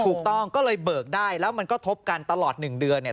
ถูกต้องก็เลยเบิกได้แล้วมันก็ทบกันตลอด๑เดือนเนี่ย